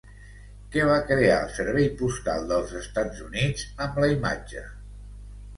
Què va crear el Servei Postal dels Estats Units amb la imatge?